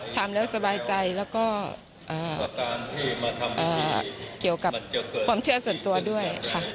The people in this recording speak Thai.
ทำแล้วสบายใจแล้วก็มาทำเกี่ยวกับความเชื่อส่วนตัวด้วยค่ะ